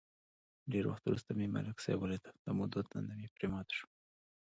ډېر وخت ورسته مې ملک صاحب ولید، د مودو تنده مې پرې ماته شوه.